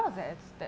って。